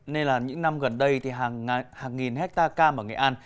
nên là những năm gần đây thì hàng nghìn hectare cam ở nghệ an